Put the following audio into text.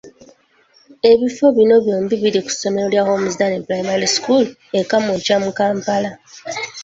Ebifo bino byombi biri ku ssomero lya Homisdallen Primary School e Kamwokya mu Kampala.